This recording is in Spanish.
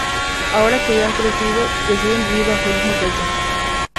Ahora que ya han crecido, deciden vivir bajo el mismo techo.